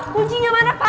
kuncinya mana pak